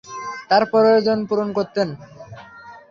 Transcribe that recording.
তাঁর প্রয়োজন পূরণ করতেন।